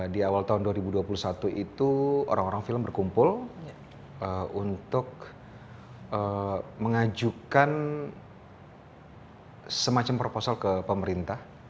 di awal tahun dua ribu dua puluh satu itu orang orang film berkumpul untuk mengajukan semacam proposal ke pemerintah